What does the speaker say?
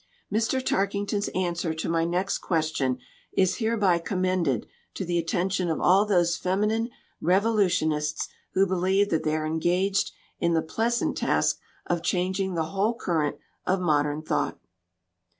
Mr. Tarkington's answer to my next question is hereby commended to the attention of all those feminine revolutionists who believe that they are engaged in the pleasant task of changing the whole current of modern thought.